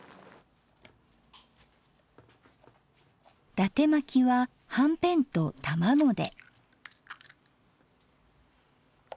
伊達まきははんぺんと卵で。